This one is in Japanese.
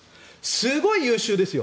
すごい優秀ですよ。